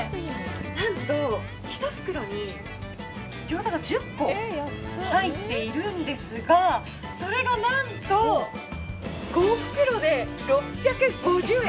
何と１袋にギョーザが１０個入っているんですがそして何と５袋で６５０円。